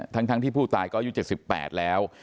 ทั้งทั้งที่ผู้ตายก็อยู่จาก๑๘แล้ว